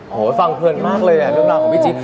ฟังเพลินมากเลยอ่ะเรื่องราวของพี่จิ๊ด